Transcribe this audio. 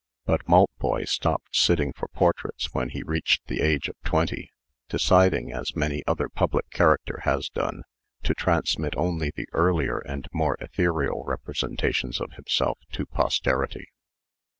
But Maltboy stopped sitting for portraits when he reached the age of twenty, deciding, as many another public character has done, to transmit only the earlier and more ethereal representations of himself to posterity.